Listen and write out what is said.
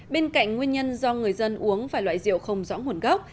bên cạnh nguyên nhân do người dân uống phải loại rượu không rõ nguồn gốc